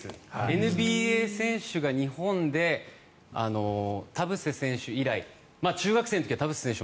ＮＢＡ選手が日本で田臥選手以来。中学生の時も田臥選手